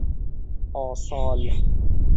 آسال